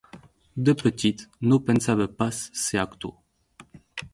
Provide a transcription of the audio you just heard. De petit no pensava pas ser actor.